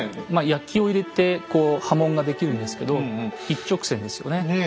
焼きを入れてこう刃文ができるんですけど一直線ですよね。